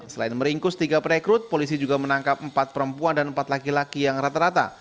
selain meringkus tiga perekrut polisi juga menangkap empat perempuan dan empat laki laki yang rata rata